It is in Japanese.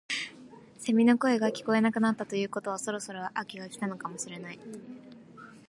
セミの声が聞こえなくなったということはそろそろ秋が来たのかもしれない